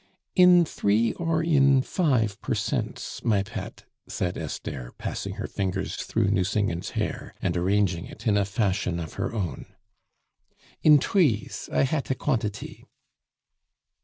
"In three or in five per cents, my pet?" said Esther, passing her fingers through Nucingen's hair, and arranging it in a fashion of her own. "In trees I hat a quantity."